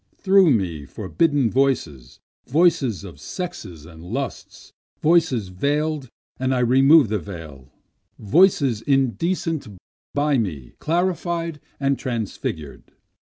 Through me forbidden voices, Voices of sexes and lusts, voices veil'd and I remove the veil, Voices indecent by me clarified and transfigur'd.